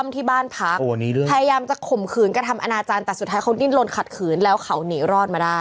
แต่สุดท้ายเขาดิ้นลนขัดขืนแล้วเขาเหนียวรอดมาได้